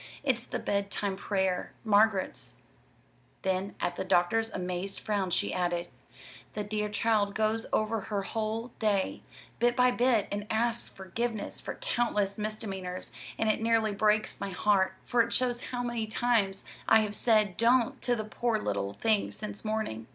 "It's the bedtime prayer Margaret's;" then, at the doctor's amazed frown, she added: "The dear child goes over her whole day, bit by bit, and asks forgiveness for countless misdemeanors, and it nearly breaks my heart, for it shows how many times I have said 'don't' to the poor little thing since morning.